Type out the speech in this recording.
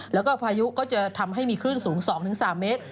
แล้วก็พายุก็จะทำให้มีคลื่นสูง๒๓เมตร